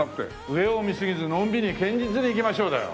「上を見過ぎずのんびり堅実にいきましょ」だよ。